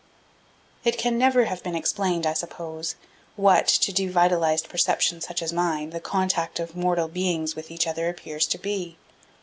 It can never have been explained, I suppose, what, to devitalized perception such as mine, the contact of mortal beings with each other appears to be.